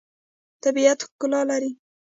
طبیعت ښکلا لري.